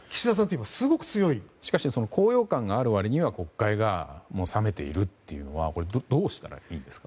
しかし、高揚感がある割には国会が冷めているというのはどうしたらいいんですか？